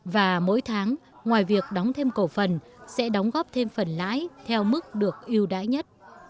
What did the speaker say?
và mỗi tháng ngoài việc đóng thêm cổ phần sẽ đóng góp thêm phần lãi theo mức được yêu đãi nhất